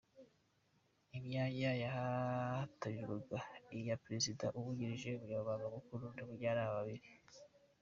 Imyanya yahatanirwaga ni iya perezida, umwungirije, umunyamabanga mukuru n’abajyanama babiri.